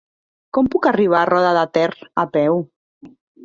Com puc arribar a Roda de Ter a peu?